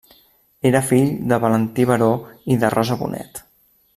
Era fill de Valentí Baró i de Rosa Bonet.